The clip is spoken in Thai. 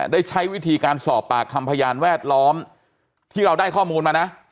ได้ใช้วิธีการสอบปากคำพยานแวดล้อมที่เราได้ข้อมูลมานะ